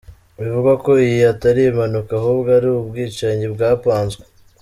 Bivugwa ko iyi atari impanuka ahubwo ari ubwicanyi bwapanzwe.